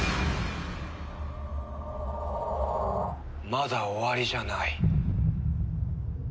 まだ終わりじゃない。